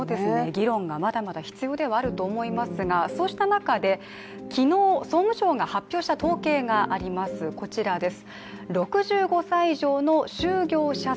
議論がまだまだ必要ではあると思いますがそうした中で昨日、総務省が発表した統計があります、こちらです。